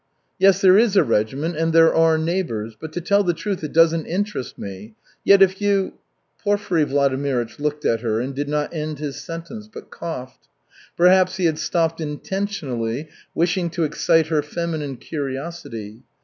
"Yes, there is a regiment and there are neighbors; but, to tell the truth, it doesn't interest me. Yet, if you " Porfiry Vladimirych looked at her and did not end his sentence, but coughed. Perhaps he had stopped intentionally, wishing to excite her feminine curiosity.